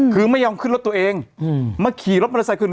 คือไม่ยองขึ้นรถตัวเองอืมเมื่อกี่รถมูลสาหร่ายขึ้น